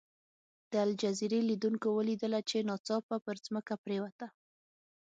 د الجزیرې لیدونکو ولیدله چې ناڅاپه پر ځمکه پرېوته.